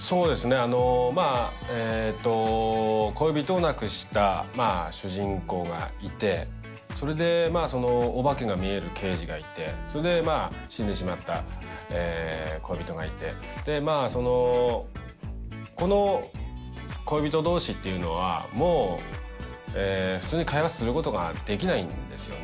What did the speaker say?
あのまあえーと恋人を亡くした主人公がいてそれでお化けが見える刑事がいてそれで死んでしまった恋人がいてこの恋人同士っていうのはもう普通に会話することができないんですよね